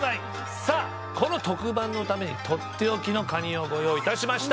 さあこの特番のために取って置きのカニをご用意いたしました。